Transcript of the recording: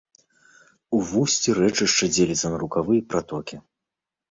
У вусці рэчышча дзеліцца на рукавы і пратокі.